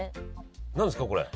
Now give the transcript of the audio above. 何ですかこれ？